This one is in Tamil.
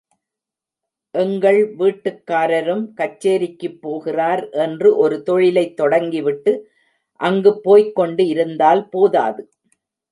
எங்கள் வீட்டுக்காரரும் கச்சேரிக்குப் போகிறார் என்று ஒரு தொழிலைத் தொடங்கிவிட்டு அங்குப் போய்க்கொண்டு இருந்தால் போதாது.